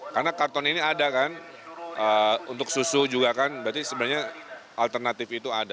karena karton ini ada kan untuk susu juga kan berarti sebenarnya alternatif itu ada